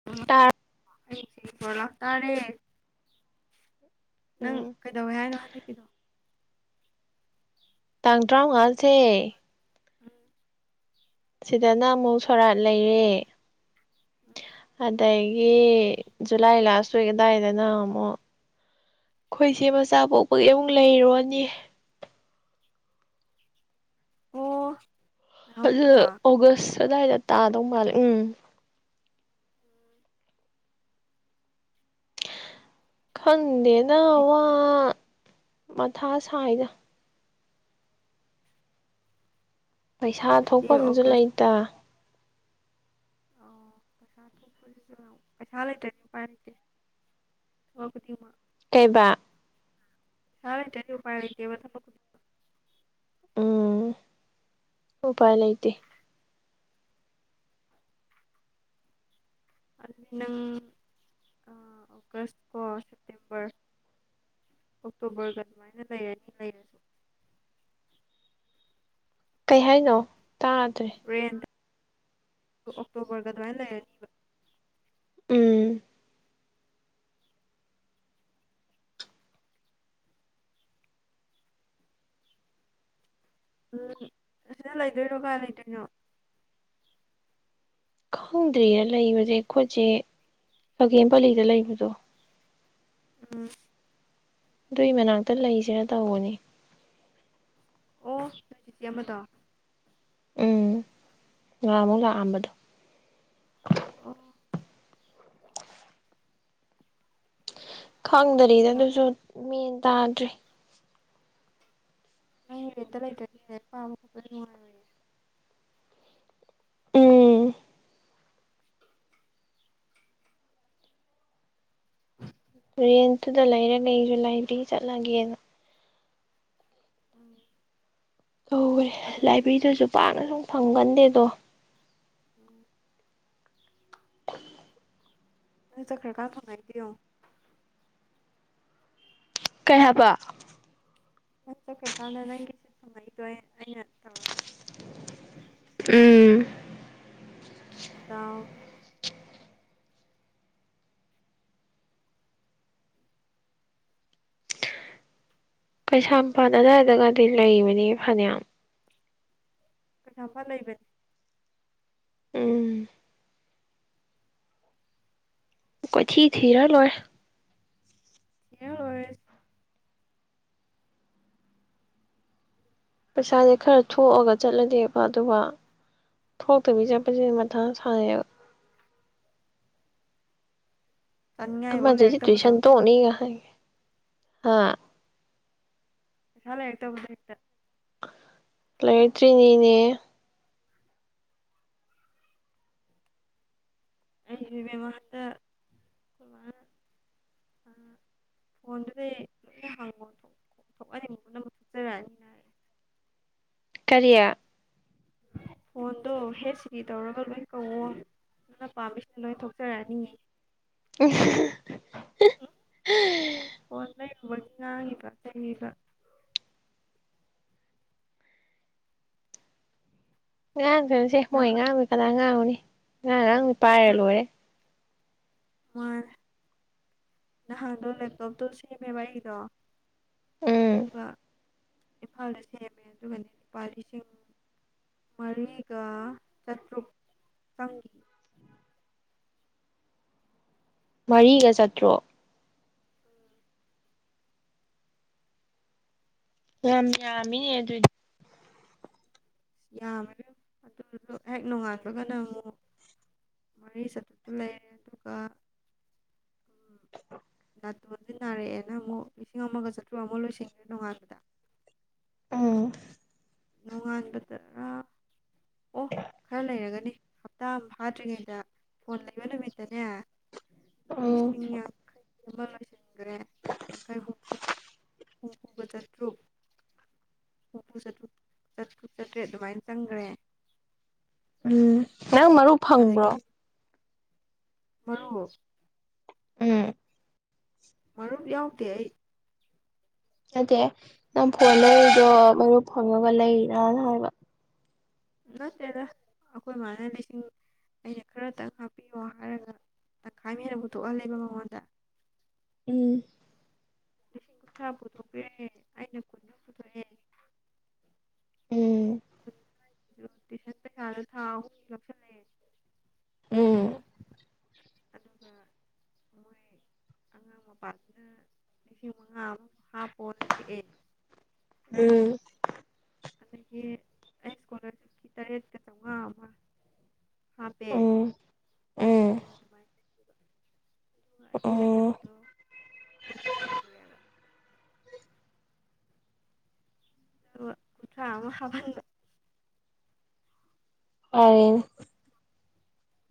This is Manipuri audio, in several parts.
[unintelligible] ꯍꯌꯦꯡꯁꯦ [unintelligible] ꯂꯥꯛꯇꯥꯔꯦ ꯅꯪ ꯎꯝ ꯀꯩꯗꯧꯋꯦ ꯍꯥꯏꯅꯣ ꯍꯟꯗꯛꯀꯤꯗꯣ ꯇꯥꯡ ꯇꯥꯡ ꯇꯔꯥꯃꯉꯥꯁꯦ ꯇ꯭ꯔꯥꯎꯉꯥ ꯎꯝ ꯁꯤꯗꯅ ꯑꯃꯨꯛ ꯁꯣꯔꯥꯠ ꯂꯩꯔꯦ ꯑꯗꯩ ꯒꯤ ꯖꯨꯂꯥꯏ ꯂꯥꯁ ꯋꯤꯛ ꯑꯗꯥꯏꯗꯅ ꯑꯃꯨꯛ ꯈꯣꯏꯁꯦ ꯃꯆꯥ ꯄꯣꯛꯄꯒꯤ ꯑꯃꯨꯛ ꯂꯩꯔꯨꯔꯅꯤ ꯑꯣ ꯅꯍꯥꯟꯃꯨꯛꯀꯤꯗꯣ ꯑꯗꯨꯗꯣ ꯑꯧꯒꯁ ꯑꯗꯥꯏꯗ ꯇꯥꯗꯧ ꯃꯥꯜꯂꯦ ꯎꯝ ꯎꯝ ꯈꯪꯗꯦꯗ ꯑꯗꯨꯏꯗꯤ ꯋꯥ ꯃꯊꯥ ꯁꯥꯏꯗ ꯄꯩꯁꯥ ꯑꯗꯨꯏꯗꯤ ꯊꯣꯛꯐꯝꯁꯨ ꯑꯣꯒꯁ ꯂꯩꯇ ꯑꯣ ꯄꯩꯁꯥ ꯊꯣꯛꯄꯁꯤꯖꯨ ꯄꯩꯁꯥ ꯂꯩꯇ꯭ꯔꯥꯗꯤ ꯎꯄꯥꯏ ꯂꯩꯇꯦ ꯊꯕꯛ ꯈꯨꯗꯤꯡꯃꯛ ꯀꯩꯕ ꯄꯩꯁꯥ ꯂꯩꯇ꯭ꯔꯥꯗꯤ ꯎꯄꯥꯏ ꯂꯩꯇꯦꯕ ꯊꯕꯛ ꯎꯝ ꯎꯄꯥꯏ ꯂꯩꯇꯦ ꯑꯗꯨꯗꯤ ꯅꯪ ꯑꯥ ꯑꯧꯒꯁ ꯀꯣ ꯁꯦꯞꯇꯦꯝꯕꯔ ꯑꯣꯛꯇꯣꯕꯔꯒ ꯑꯗꯨꯃꯥꯏꯅ ꯂꯩꯔꯅꯤ ꯂꯩꯔꯁꯨ ꯀꯩ ꯍꯥꯏꯅꯣ ꯇꯥꯗ꯭ꯔꯦ ꯔꯦꯟꯗ ꯑꯣꯛꯇꯣꯕꯔꯒ ꯑꯗꯨꯃꯥꯏꯅ ꯂꯩꯔꯅꯤ ꯎꯝ ꯎꯝ ꯑꯁꯤꯗ ꯂꯩꯗꯣꯏꯔꯣ ꯀꯥꯏ ꯂꯩꯗꯣꯏꯅꯣ ꯈꯪꯗ꯭ꯔꯤꯌꯦ ꯂꯩꯕꯁꯦ ꯑꯈꯣꯏꯆꯦ ꯈꯥꯒꯦꯝꯄꯂꯤꯗ ꯂꯩꯕꯗꯣ ꯎꯝ ꯑꯗꯨꯏ ꯃꯅꯥꯛꯇ ꯂꯩꯁꯤꯔꯥ ꯇꯧꯕꯅꯤ ꯑꯣ ꯅꯣꯏꯆꯤꯆꯦ ꯑꯃꯗꯣ ꯎꯝ ꯉꯔꯥꯡꯃꯨꯛ ꯂꯥꯛꯑꯝꯕꯗꯣ ꯑꯣ ꯐꯩ ꯐꯩ ꯈꯪꯗꯔꯤꯗ ꯌꯦꯡꯉꯣ ꯑꯗꯨꯁꯨ ꯃꯦꯟ ꯇꯥꯗ꯭ꯔꯤ [unintelligible] ꯎꯝ [inaudible] [unintelligible] [inaudible] ꯇꯧꯒꯔꯦ ꯑꯗꯨ ꯌꯨꯝ ꯂꯥꯏꯕ꯭ꯔꯦꯔꯤꯗꯃꯗꯨꯁꯨ ꯄꯥꯛꯅ ꯁꯨꯝ ꯐꯪꯒꯟꯗꯦꯗꯣ ꯎꯝ [inaudible] [unintelligible] ꯀꯩ ꯍꯥꯏꯕ [unintelligible] ꯎꯝ ꯗꯥꯎ ꯀꯩꯁꯥꯝꯄꯥꯠ ꯑꯗꯨꯋꯥꯏꯗꯒꯗꯤ ꯂꯩꯕꯅꯦ ꯐꯅꯌꯥꯝ ꯀꯩꯁꯥꯝꯄꯥꯠ ꯂꯩꯕꯅꯦ ꯎꯝ ꯀꯣꯏꯊꯤ ꯊꯤꯔ ꯂꯣꯏꯔꯦ [unintelligible] ꯄꯩꯁꯥꯁꯦ ꯈꯔ ꯊꯣꯛꯑꯒ ꯆꯠꯂꯗꯤ ꯐꯥꯗꯧꯕ ꯊꯣꯛꯇꯕꯤ ꯆꯠꯄꯁꯤꯗꯤ ꯃꯊꯥ ꯌꯥꯝ ꯁꯥꯌꯦꯕ ꯆꯥꯅꯤꯡꯉꯥꯏꯐꯥꯎ ꯑꯃꯗꯨꯗꯤ ꯂꯩꯔꯛꯇꯕꯗꯣ ꯇꯨꯏꯁꯟ ꯇꯣꯡꯅꯤꯒ ꯍꯥꯏ ꯍꯥ ꯄꯩꯁꯥ ꯂꯩꯔꯛꯇꯕ [unintelligible] ꯂꯩꯔꯛꯇꯔꯤꯅꯤꯅꯦ ꯑꯩꯁꯨ ꯏꯕꯦꯝꯃ ꯍꯟꯗꯛ ꯈꯣꯏ ꯃꯥꯅ [unintelligible] ꯀꯔꯤ ꯑꯣꯗ ꯍꯦꯁꯤꯔꯤ ꯇꯧꯔꯒ ꯂꯣꯏ ꯀꯧꯑꯣ ꯅꯪꯅ ꯄꯥꯝꯃꯤꯁꯤꯡ ꯂꯣꯏ ꯊꯣꯛꯆꯔꯛꯑꯅꯤꯌꯦ [unintelligible] ꯎꯝ ꯐꯣꯟ ꯂꯩꯔꯨꯕꯒꯤ ꯉꯥꯡꯉꯤꯕ ꯆꯩꯔꯤꯕ ꯅꯍꯥꯟ [unintelligible] ꯃꯥꯅꯦ [inaudible] ꯅꯍꯥꯟꯗꯣ ꯂꯦꯞꯇꯣꯞꯇꯣ ꯁꯦꯝꯃꯦꯕ ꯑꯩꯒꯤꯗꯣ ꯎꯝ ꯑꯗꯨꯒ ꯏꯝꯐꯥꯜꯗ ꯁꯦꯝꯃꯦ ꯑꯗꯨꯒꯅꯦ ꯂꯨꯄꯥ ꯂꯤꯁꯤꯡ ꯃꯔꯤꯒ ꯆꯇꯔꯨꯛ ꯆꯪꯉꯤ ꯃꯔꯤꯒ ꯆꯥꯇ꯭ꯔꯨꯛ ꯌꯥꯝ ꯌꯥꯝꯃꯤꯅꯦ ꯑꯗꯨꯏꯗꯤ ꯌꯥꯝꯃꯦ ꯏꯕꯦꯝꯃꯥ ꯑꯗꯨꯖꯨ ꯍꯦꯛ ꯅꯣꯡꯉꯥꯟꯕꯒꯥ ꯑꯃꯨꯛ ꯃꯔꯤ ꯁꯠꯇ ꯂꯩꯌꯦꯦ ꯑꯗꯨꯒ ꯎꯝ ꯅꯥꯇꯣꯟꯗꯤ ꯅꯥꯔꯛꯑꯦꯅ ꯑꯃꯨꯛ ꯂꯤꯁꯤꯡ ꯑꯃꯒ ꯆꯥꯇ꯭ꯔꯨꯛ ꯑꯃ ꯂꯣꯏꯁꯟꯈ꯭ꯔꯦ ꯇꯣꯡꯉꯥꯟꯕꯗ ꯎꯝ ꯅꯣꯡꯉꯥꯟꯕꯗꯔꯥ ꯑꯣ ꯈꯔ ꯂꯩꯔꯒꯅꯤ ꯍꯞꯇꯥ ꯑꯃ ꯐꯥꯗ꯭ꯔꯤꯉꯩꯗ ꯐꯣꯟ ꯂꯩꯕ ꯅꯨꯃꯤꯠꯇꯅꯦ ꯎꯝ ꯂꯤꯁꯤꯡ ꯌꯥꯡꯈꯩ ꯑꯃ ꯂꯣꯏꯁꯤꯟꯈ꯭ꯔꯦ ꯌꯥꯡꯈꯩ ꯍꯨꯝꯐꯨ ꯎꯕꯗꯠ꯭ꯔꯣ ꯆꯠꯇ꯭ꯔꯨ ꯆꯥꯠꯇ꯭ꯔꯨꯛ ꯆꯠꯇ꯭ꯔꯨꯛ ꯆꯠꯇ꯭ꯔꯦ ꯑꯗꯨꯃꯥꯏꯅ ꯆꯪꯈ꯭ꯔꯦ ꯎꯝ ꯌꯥꯝ ꯃꯔꯔ ꯑ ꯃꯥ ꯎꯝ ꯃꯔꯨꯞ ꯌꯥꯎꯗꯦ ꯑꯩ ꯅꯗꯦ ꯅꯪ ꯐꯣꯟ ꯂꯩꯔꯤꯗꯣ ꯃꯔꯨꯞ ꯐꯪꯉꯒ ꯂꯩꯔꯅ ꯍꯥꯏꯕ ꯅꯠꯇꯦꯗ ꯑꯩꯈꯣꯏ ꯃꯥꯅ ꯂꯤꯁꯤꯡ ꯑꯩꯅ ꯈꯔꯗꯪ ꯍꯥꯞꯄꯤꯌꯣ ꯍꯥꯏꯔꯒ ꯇꯪꯈꯥꯏ ꯑꯃ ꯍꯦꯟꯅ ꯄꯨꯊꯣꯛꯍꯜꯂꯦꯕ ꯃꯉꯣꯟꯗ ꯎꯝ ꯂꯤꯁꯤꯡ ꯀꯨꯟꯊ꯭ꯔꯥ ꯄꯨꯊꯣꯛꯄꯤꯦ ꯑꯩꯅ ꯀꯨꯟꯃꯨꯛ ꯄꯨꯊꯣꯛꯑꯦ ꯎꯝ ꯣ ꯊꯥ ꯑ ꯎꯝ ꯑꯗꯨꯒ ꯃꯣꯏ ꯑꯉꯥꯡ ꯃꯄꯥꯗꯨꯅ ꯥ ꯐꯣꯟ ꯑꯦ ꯎꯝ ꯑꯗꯒꯤ ꯑꯩ ꯏꯁꯀꯣꯂꯥꯔꯁꯤꯞꯀꯤ ꯇꯔꯦꯠꯀ ꯆꯥꯝꯃꯉꯥ ꯑꯃ ꯍꯥꯞꯄꯦ ꯎꯝ ꯎꯝ ꯇ ꯃꯥꯥꯏꯦ ꯑꯗꯨꯒ ꯑꯩ ꯎꯝ ꯂꯩꯖꯕꯗꯣ ꯀꯣꯏꯅ ꯁꯨꯈ꯭ꯔꯦꯕ ꯀꯊꯥ ꯑ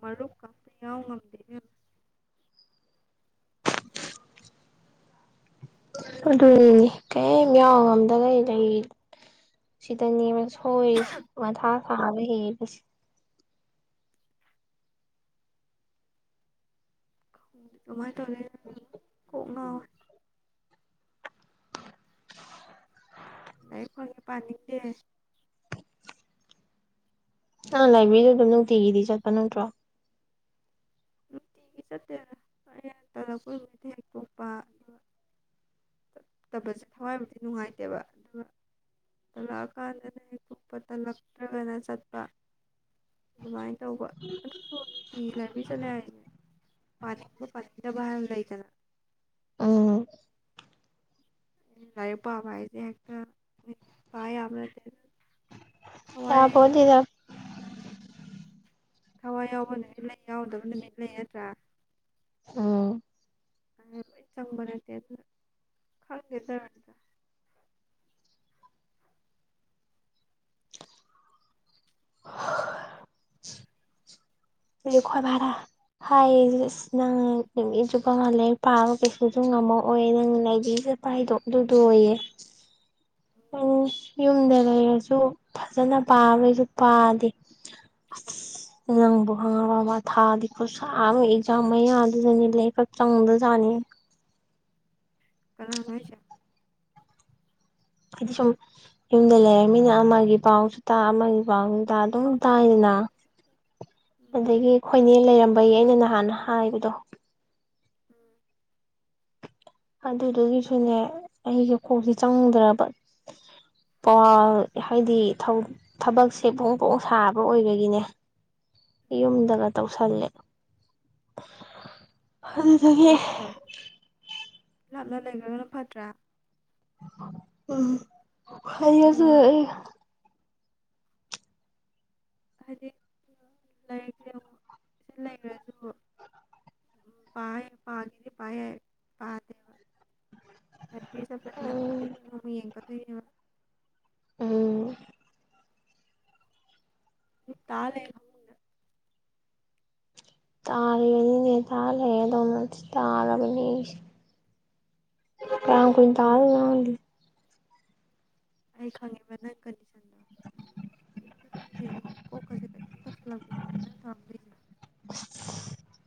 ꯃꯔꯨꯞ ꯀꯄ ꯌꯥꯎ ꯉꯝꯗꯦ ꯑꯗꯨꯅꯤꯅꯦ ꯀꯔꯤꯝ ꯌꯥꯎ ꯉꯝꯗꯒꯦ ꯂꯩ ꯁꯤꯗꯅꯦ ꯁꯣꯏꯔꯤꯁꯦ ꯃꯊꯥ ꯁꯥꯕ ꯍꯦꯕꯁꯦ ꯑꯗꯨꯃꯥꯏꯅ ꯇꯧꯒꯦ ꯀꯣꯛꯅ ꯑꯩꯈꯣꯏꯅ ꯄꯥꯅꯤꯡꯗꯦ ꯑꯪ ꯂꯥꯏꯕ꯭ꯔꯦꯔꯤꯗ ꯑꯗꯨꯝ ꯅꯨꯡꯇꯤꯒꯤꯗꯤ ꯆꯠꯄ ꯅꯠꯇ꯭ꯔꯣ ꯅꯨꯡꯇꯤꯒꯤ ꯆꯠꯇꯦꯅ ꯍ ꯍꯟ ꯇꯔꯛ ꯀꯣꯏꯕꯗ ꯍꯦꯛꯛꯇꯣꯛꯄ ꯇ ꯇꯕꯁꯦ ꯊꯋꯥꯏꯕꯨꯗꯤ ꯅꯨꯡꯉꯥꯏꯇꯦꯕ ꯑꯗꯨꯒ ꯇꯂꯛꯑꯀꯥꯟꯗꯅꯦ ꯀꯨꯞꯄ ꯇꯜꯂꯛꯇ꯭ꯔꯒꯅ ꯆꯠꯄ ꯑꯗꯨꯃꯥꯏꯅ ꯇꯧꯕ ꯑꯗꯨꯁꯨ ꯅꯨꯡꯇꯤ ꯂꯥꯏꯕꯦꯔꯤ ꯆꯠꯂꯦ ꯍꯥꯏꯅꯦ ꯄꯥꯅꯤꯡꯕ ꯄꯥꯅꯤꯡꯗꯕ ꯍꯥꯏꯕ ꯂꯩꯗꯅ ꯑꯥ ꯂꯥꯏꯛ ꯄꯥꯝꯕ ꯍꯥꯏꯁꯦ ꯍꯦꯛꯇ ꯄꯥꯏ ꯌꯥꯝꯕꯅ ꯌꯥꯕꯣꯂꯤꯗ ꯊꯋꯥꯏ ꯌꯥꯎꯕ ꯅꯨꯃꯤꯠ ꯂꯩ ꯌꯥꯎꯗꯕ ꯅꯨꯃꯤꯠ ꯂꯩ ꯅꯠꯇ꯭ꯔꯥ ꯎꯝ ꯑ ꯆꯪꯕꯅꯦꯠꯇꯦ ꯈꯪꯗꯦꯗ ꯃꯇ ꯑꯗꯨ ꯈꯣꯏ ꯚꯔꯥ ꯍꯥꯏ ꯅꯪ ꯅꯨꯃꯤꯠ ꯆꯨꯞꯕꯉ ꯂꯥꯏꯔꯤꯛ ꯄꯥꯕ ꯀꯩꯁꯨ ꯉꯝꯃꯑꯣꯏ ꯅꯪꯥꯏꯕꯤꯁ ꯄꯥꯏꯗꯣ ꯑꯗꯨꯗ ꯑꯣꯏꯌꯦ ꯎꯝ ꯌꯨꯝꯗ ꯂꯩꯔꯁꯨ ꯐꯖꯅ ꯄꯥꯕꯩꯁꯨ ꯄꯥꯗꯦ ꯑ ꯅꯪꯕꯨ ꯍꯪꯉ ꯕ ꯊꯥꯗꯤꯀꯣꯠ ꯁꯥꯥ ꯑꯦꯛꯖꯥꯝ ꯃꯌꯥ ꯑꯗꯨꯗꯅꯤ ꯂꯩꯈꯛ ꯆꯪꯗꯖꯥꯠꯅꯤ ꯀꯅꯥꯅ ꯍꯥꯏꯗꯤ ꯁꯨꯝ ꯌꯨꯝꯗ ꯂꯩꯔꯕꯃꯤꯅ ꯑꯃꯒꯤ ꯄꯥꯎꯁꯨ ꯇꯥ ꯑꯃꯒꯤ ꯄꯥꯎ ꯇ ꯑꯗꯨꯝ ꯑꯧ ꯇꯥꯏꯗꯅ ꯆꯪꯗꯕꯅꯤ ꯑꯗꯒꯤ ꯍꯣꯏꯅꯦ ꯂꯩꯔꯝꯕꯒꯤ ꯑꯩꯅ ꯅꯍꯥꯟꯅ ꯍꯥꯏꯕꯗꯣ ꯎꯝ ꯑꯗꯨꯗꯨꯒꯤꯁꯨꯅꯦ ꯑꯩꯒꯤ ꯀꯣꯛꯁꯤ ꯆꯪꯨꯗ꯭ꯔꯕ ꯄꯋꯥ ꯍꯥꯏꯗꯤ ꯊꯕꯛꯁꯦ ꯄꯣꯡ ꯄꯣꯡ ꯁꯥꯕ ꯑꯣꯏꯕꯒꯤꯅꯦ ꯎꯝ ꯎꯝ ꯌꯨꯝꯗꯒ ꯇꯧꯁꯜꯂꯦ ꯑꯗꯨꯗꯒꯤ ꯆꯥꯡꯗꯝ ꯂꯥꯞꯅ ꯂꯩꯈ꯭ꯔꯒꯅ ꯐꯠꯇ꯭ꯔꯥ ꯎꯝ ꯍꯁꯨ ꯑꯗꯨꯒ ꯍꯥꯏꯗꯤ ꯂꯥꯏꯔꯤꯛ ꯂꯩꯈ꯭ꯔꯁꯨ ꯎ ꯄꯌꯦ ꯄꯗꯤ ꯄꯌꯦ ꯄꯥꯇꯦꯕ ꯍꯥꯏꯕꯤ ꯐꯅ ꯑꯃꯨꯛ ꯎꯝ ꯈꯤꯇꯪ ꯑꯃꯨꯛ ꯌꯦꯡꯀꯗꯣꯏꯅꯦꯕ ꯑꯥ ꯇꯥꯂꯦ ꯇꯥꯔꯤꯕꯅꯤꯅꯦ ꯇꯥꯔꯦ ꯑꯗꯣ ꯇꯥꯔꯕꯅꯤ ꯇꯥꯥꯡ ꯀꯣꯏ ꯑꯗꯨ ꯇꯥꯅꯗꯤ ꯑꯩ ꯈꯪꯉꯦꯕ ꯅꯪ ꯀꯟꯗꯤꯁꯟꯗꯣ ꯌꯨꯝꯗ ꯑꯗꯨꯝ ꯂꯩꯕꯅꯦ ꯀꯣꯛꯀꯁꯦ ꯀꯩꯅꯣꯝ ꯇꯧꯁꯜꯂꯛꯀꯦꯕꯅꯦꯕ ꯑꯗꯨꯝ ꯊꯥꯕ ꯂꯩꯁꯦ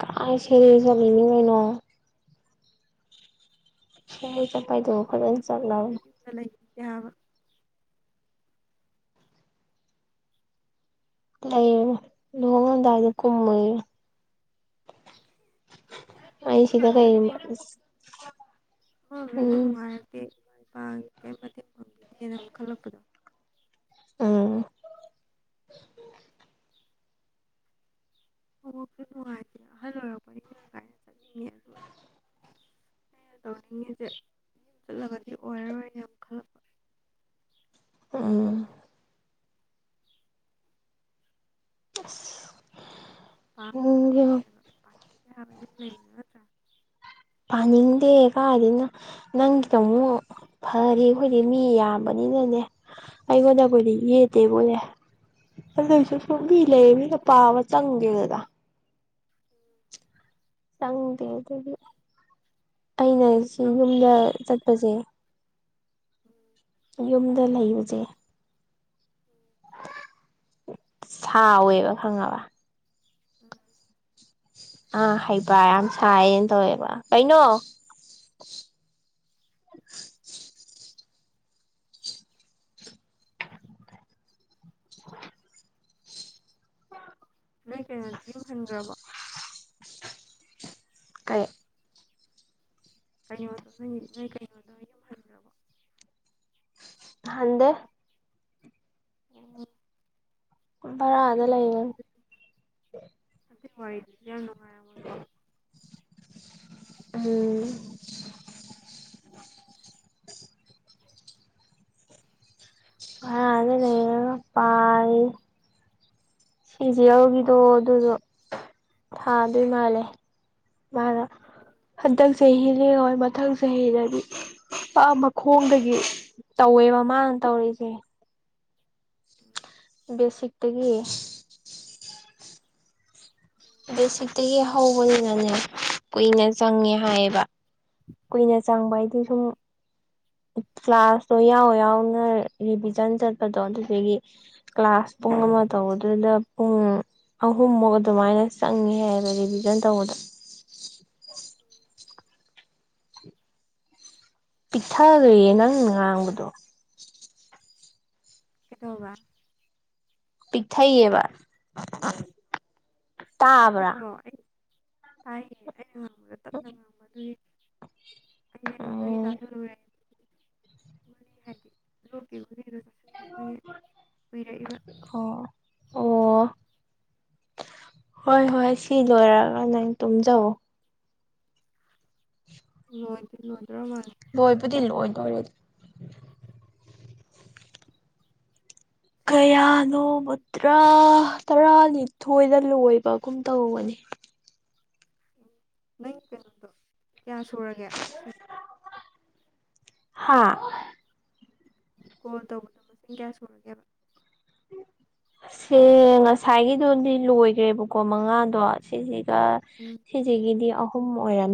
ꯀꯥꯏ ꯁꯦꯔꯤ ꯆꯂꯅꯤꯉꯩꯅꯣ ꯁꯤ ꯆꯄꯥꯏꯗꯧꯕ ꯐꯖꯅ ꯆꯠꯂ ꯆ ꯂꯩꯗꯕ ꯂꯩꯌꯦ ꯂꯣꯡꯉꯗ ꯑꯗꯨ ꯀꯨꯝꯃ ꯑꯩ ꯁꯤꯗ ꯀꯩ [unintelligible] ꯏꯃꯥ ꯎꯝ ꯏꯄꯥ ꯏ ꯀ ꯃꯇꯦꯡ ꯐꯥꯡꯈꯤꯗꯦꯅ ꯑꯃꯨꯛ ꯈꯜꯂꯛꯄꯗꯣ ꯑꯥ ꯑꯣꯁꯨ ꯅꯨꯡꯉꯥꯏꯇꯦ ꯑꯍꯜ ꯑꯣꯏꯔꯛꯄꯅꯤ ꯃꯔꯥꯡ ꯀꯥꯏꯅ ꯆꯠꯅꯤꯡꯉꯦ ꯑꯗꯨꯒ ꯇꯅꯤꯡꯦ ꯆꯠꯂꯒꯗꯤ ꯑꯣꯏꯔꯔꯣꯏꯅꯦ ꯌꯥꯝ ꯈꯜꯂꯛꯑꯣ ꯎ ꯑꯁ ꯄꯥꯗꯤ ꯌꯥ ꯍꯥꯏꯕ ꯄꯗꯤ ꯌꯥꯕꯒꯤ ꯂꯩꯅ ꯅꯠꯇ꯭ꯔꯥ ꯄꯥꯅꯤꯡꯗꯦ ꯀꯗꯅ ꯅꯪꯒꯤꯗ ꯑꯃꯨꯛ ꯐꯔꯤ ꯑꯩꯈꯣꯏꯗꯤ ꯃꯤ ꯌꯥꯝꯕꯅꯤꯅꯅꯦ ꯑꯩꯒꯣꯟꯗꯕꯣꯏꯗꯤ ꯎꯝ ꯌꯦ ꯇꯦꯕꯣꯌꯦ ꯑꯗꯨꯏꯁꯨ ꯁꯨꯝꯕꯤ ꯂꯩꯌꯦ ꯃꯤꯅ ꯄꯥꯕ ꯆꯪꯒꯦꯗꯗ ꯆꯪꯗꯦ ꯑꯗꯒꯤ ꯑꯩꯅ ꯁꯤ ꯈꯪꯗꯕ ꯌꯨꯝꯗ ꯆꯠꯄꯁꯦ ꯎꯝ ꯌꯨꯝꯗ ꯂꯩꯌꯨꯖꯦ ꯎꯝ ꯁꯥꯎꯋꯦꯕ ꯈꯪꯉꯕ ꯎꯝ ꯑꯥ ꯍꯩꯄ ꯌꯥꯝ ꯁꯥꯏꯌꯦꯟ ꯇꯧꯋꯦꯕ ꯀꯩꯅꯣ [inaudible] ꯅꯣꯏ ꯀꯩꯅꯣꯗꯤ ꯌꯨꯝꯍꯟꯒ꯭ꯔꯕꯣ ꯀꯩ [unintelligible] [unintelligible] ꯍꯟꯗꯦ [unintelligible] ꯕꯔꯥꯗ ꯂꯩꯌꯦ꯫ ꯑꯗꯨꯗꯤ ꯑꯗꯨꯏ ꯋꯥꯔꯤ ꯗꯨꯖꯨ ꯌꯥꯝ ꯅꯨꯡꯉꯥꯏꯔꯝꯃꯣꯏꯀꯣ꯫ ꯎꯝ ꯕꯔꯥꯗ ꯂꯩꯔꯒꯥ ꯄꯥꯔꯤ꯫ ꯁꯤꯖꯤꯑꯦꯜ ꯒꯤꯗꯣ ꯑꯗꯨꯗꯣ ꯊꯥꯗꯣꯏ ꯃꯥꯜꯂꯦ꯫ ꯃꯥꯅ ꯍꯟꯗꯛ ꯆꯍꯤ ꯂꯦꯡꯉꯣꯏ ꯃꯊꯪ ꯆꯍꯤꯗꯗꯤ꯫ ꯑ ꯃꯈꯣꯡꯗꯒꯤ ꯇꯧꯋꯦꯕ ꯃꯥꯅ ꯇꯧꯔꯤꯖꯦ꯫ [inaudible] ꯕꯦꯁꯤꯛꯇꯒꯤ꯫ ꯕꯦꯁꯤꯛꯇꯒꯤ ꯍꯧꯕꯅꯤꯅꯅꯦ ꯀꯨꯏꯅ ꯆꯪꯉꯦ ꯍꯥꯏꯌꯦꯕ ꯀꯨꯏꯅ ꯆꯪꯕ ꯍꯥꯏꯗꯤ ꯁꯨꯝ ꯐ꯭ꯂꯁꯇꯣ ꯌꯥꯎ ꯌꯥꯎꯅ ꯔꯤꯚꯤꯖꯟ ꯆꯠꯄꯗꯣ ꯑꯗꯨꯗꯨꯒꯤ꯫ ꯀ꯭ꯂꯥꯁ ꯄꯨꯡ ꯑꯃ ꯇꯧꯕꯗꯨꯗ ꯄꯨꯡ ꯑꯍꯨꯝꯃꯨꯛ ꯑꯗꯨꯃꯥꯏꯅ ꯆꯪꯉꯤꯍꯦ ꯔꯤꯚꯤꯖꯟ ꯇꯧꯕꯗ ꯄꯤꯛꯊꯥꯒ꯭ꯔꯦ ꯅꯪ ꯉꯥꯡꯕꯗꯣ ꯀꯩꯗꯧꯕ꯫ ꯄꯤꯛ ꯊꯩꯌꯦꯕ ꯇꯥꯕ꯭ꯔꯥ [unintelligible] ꯎꯝ [unintelligible] ꯒꯨꯂꯤ ꯍꯥꯏꯗꯤ ꯂꯣꯛꯀꯤ ꯒꯨꯂꯤꯗꯨꯅꯤ ꯎꯏꯔꯥꯛ ꯏꯕꯥ꯫ ꯍꯣ ꯑꯣ ꯍꯣꯏ ꯍꯣꯏ ꯁꯤ ꯂꯣꯏꯔꯒ ꯅꯪ ꯇꯨꯝꯖꯧ꯫ ꯂꯣꯏꯗꯤ ꯂꯣꯏꯗ꯭ꯔꯣ ꯃꯥꯜꯂꯦ꯫ ꯂꯣꯏꯕꯨꯗꯤ ꯂꯣꯏꯗꯣꯔꯦꯗ꯫ ꯀꯌꯥꯅꯣ ꯇꯔꯥ ꯇꯔꯥꯅꯤꯊꯣꯏꯗ ꯂꯣꯏꯕꯒꯨꯝ ꯇꯧꯕꯅꯤ꯫ ꯎꯝ ꯅꯪ ꯀꯩꯅꯣꯗꯣ ꯀꯌꯥ ꯁꯨꯔꯒꯦ ꯃꯁꯤꯡ꯫ ꯍꯥꯥ ꯀꯣꯜ ꯇꯧꯕꯗ ꯃꯁꯤꯡ ꯀꯌꯥ ꯁꯨꯔꯒꯦꯕ [inaudible] ꯁꯦ ꯉꯁꯥꯏꯒꯤꯗꯨꯗꯤ ꯂꯣꯏꯒ꯭ꯔꯦꯕꯀꯣ ꯃꯉꯥꯗꯣ ꯁꯤꯖꯤꯒ ꯎꯝ ꯁꯤꯖꯤꯒꯤꯗꯤ ꯑꯍꯨꯝ ꯑꯣꯏꯔꯝ